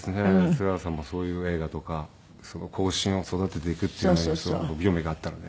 津川さんもそういう映画とか後進を育てていくっていうのにすごく興味があったので。